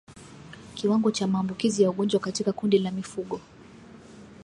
Kiwango cha maambukizi ya ugonjwa katika kundi la mifugo